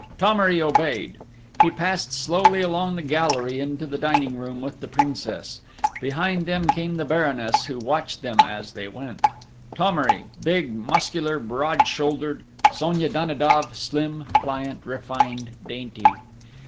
Thomery obeyed. He passed slowly along the gallery into the dining room with the Princess. Behind them came the Baroness, who watched them as they went: Thomery, big, muscular, broad shouldered: Sonia Danidoff, slim, pliant, refined, dainty!